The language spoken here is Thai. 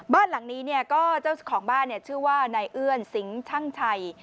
บ้านหลังนี้เนี่ยก็เจ้าของบ้านชื่อว่านายเอื้อนสิงห์ช่างชัย